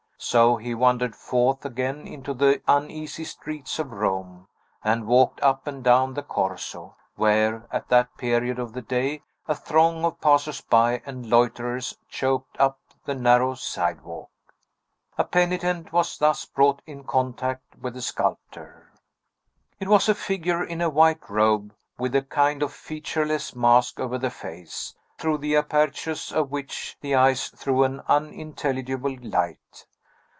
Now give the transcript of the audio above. So he wandered forth again into the uneasy streets of Rome, and walked up and down the Corso, where, at that period of the day, a throng of passers by and loiterers choked up the narrow sidewalk. A penitent was thus brought in contact with the sculptor. It was a figure in a white robe, with a kind of featureless mask over the face, through the apertures of which the eyes threw an unintelligible light.